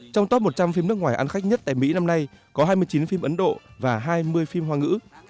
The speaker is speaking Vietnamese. trong top một trăm linh phim nước ngoài ăn khách nhất tại mỹ năm nay có hai mươi chín phim ấn độ và hai mươi phim hoa ngữ